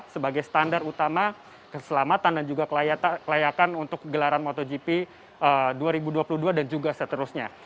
sebagai standar utama keselamatan dan juga kelayakan untuk gelaran motogp dua ribu dua puluh dua dan juga seterusnya